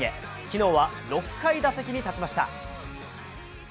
昨日は６回、打席に立ちました。